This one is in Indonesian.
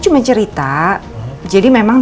cuma cerita jadi memang